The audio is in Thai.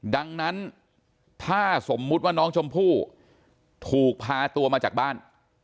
ดังนั้นถ้าสมมุติว่าน้องชมพู่ถูกพาตัวมาจากบ้าน